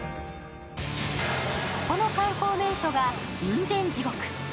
ここの観光名所が雲仙地獄。